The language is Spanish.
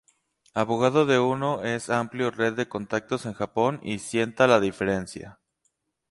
Abogado de uno Es amplio red de contactos en Japón y sienta la diferencia.